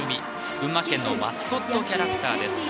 群馬県のマスコットキャラクターです。